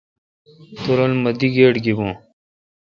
تی رو لہ می دی لیٹ گیبوں۔